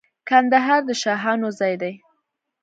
کندهار د شاهانو ځای دی.